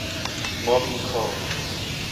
Moving Co.